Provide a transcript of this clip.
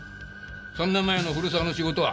３年前の古沢の仕事は？